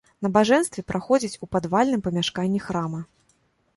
Набажэнствы праходзяць у падвальным памяшканні храма.